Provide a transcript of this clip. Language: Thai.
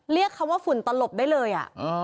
เรียกคำว่าฝุ่นตลบได้เลย